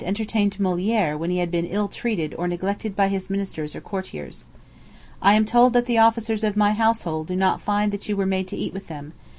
entertained Molière when he had been ill treated or neglected by his ministers and courtiers. "I am told that the officers of my household do not find that you were made to eat with them.